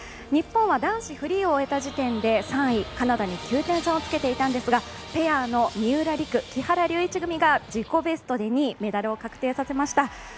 日本は男子フリーを終えた時点で３位、カナダに９点差をつけていたんですがペアの三浦璃来・木原龍一組が自己ベストで２位メダルを確定させました。